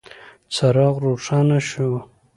څراغ روښانه شو.